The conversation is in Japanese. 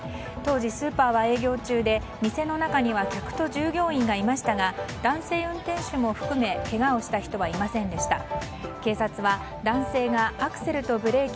当時、スーパーは営業中で店の中には客と従業員がいましたが男性運転手も含めけがをした人はいませんでした。